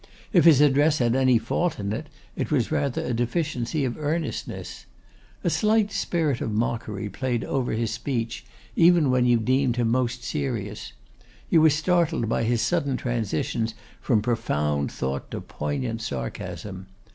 If his address had any fault in it, it was rather a deficiency of earnestness. A slight spirit of mockery played over his speech even when you deemed him most serious; you were startled by his sudden transitions from profound thought to poignant sarcasm.